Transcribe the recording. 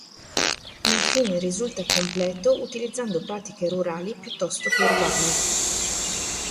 Infine risulta completo utilizzando pratiche rurali piuttosto che urbane.